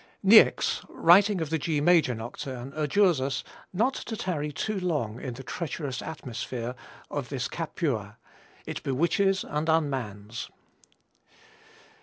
Niecks, writing of the G major Nocturne, adjures us "not to tarry too long in the treacherous atmosphere of this Capua it bewitches and unmans."